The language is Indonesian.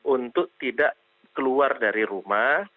untuk tidak keluar dari rumah